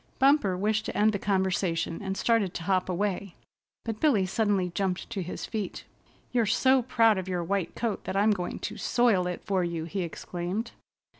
Bumper wished to end the conversation, and started to hop away, but Billy suddenly jumped to his feet. "You're so proud of your white coat that I'm going to soil it for you," he exclaimed.